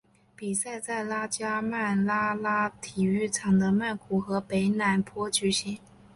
比赛在拉加曼拉拉体育场的曼谷和的北榄坡举行。